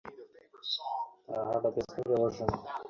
তার হার্টে পেসমেকার বসানো।